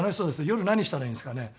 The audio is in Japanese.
夜何したらいいんですかね？